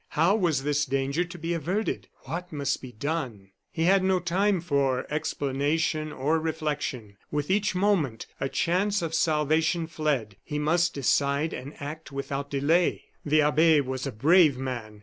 How was this danger to be averted? What must be done? He had no time for explanation or reflection; with each moment, a chance of salvation fled. He must decide and act without delay. The abbe was a brave man.